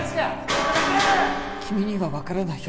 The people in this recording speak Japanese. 君には分からないよ